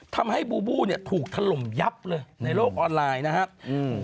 ทำให้บูบูถูกทะลมยับเลยในโลกออนไลน์นะครับ